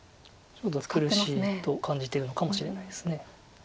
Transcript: ちょっと苦しいと感じてるのかもしれないです。